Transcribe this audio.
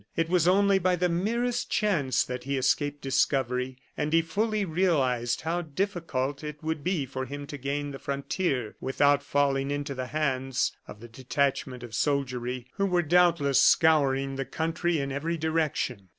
It was only by the merest chance that he escaped discovery; and he fully realized how difficult it would be for him to gain the frontier without falling into the hands of the detachment of soldiery, who were doubtless scouring the country in every direction.